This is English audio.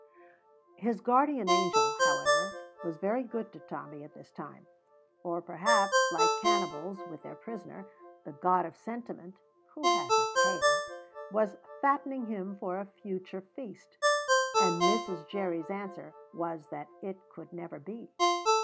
His guardian angel, however, was very good to Tommy at this time; or perhaps, like cannibals with their prisoner, the god of sentiment (who has a tail) was fattening him for a future feast; and Mrs. Jerry's answer was that it could never be.